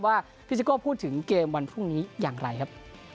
ว่าพี่ซิโก้พูดถึงเกมวันพรุ่งนี้อย่างไรครับ